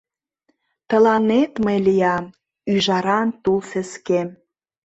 Тыланет мый лиям Ӱжаран тул сескем.